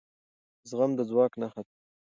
زغم د ځواک نښه ده